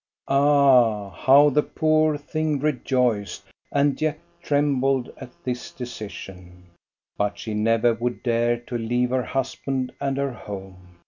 Ah, how the poor thing rejoiced, and yet trembled at this decision ! But she never would dare to leave her husband and her home.